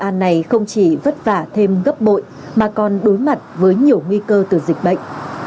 an này không chỉ vất vả thêm gấp bội mà còn đối mặt với nhiều nguy cơ từ dịch bệnh